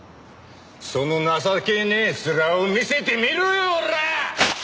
その情けねえ面を見せてみろよオラッ！